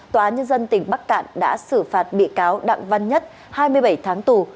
tòa nhân dân tỉnh bắc cạn đã xử phạt bị cáo đặng văn nhất hai mươi bảy tháng tù